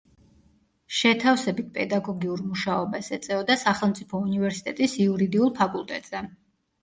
შეთავსებით პედაგოგიურ მუშაობას ეწეოდა სახელმწიფო უნივერსიტეტის იურიდიულ ფაკულტეტზე.